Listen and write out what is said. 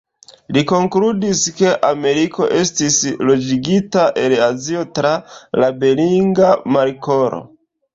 Li konkludis, ke Ameriko estis loĝigita el Azio tra la Beringa Markolo.